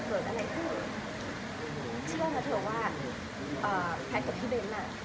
แต่ถ้าเกิดอะไรจะเชื่อว่แผลตกที่เบ้น